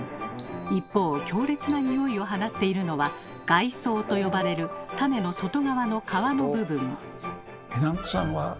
一方強烈なニオイを放っているのは「外層」と呼ばれる種の外側の「皮」の部分。